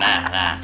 nah nah nah